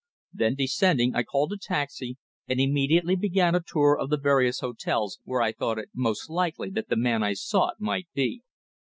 Then descending, I called a taxi and immediately began a tour of the various hotels where I thought it most likely that the man I sought might be.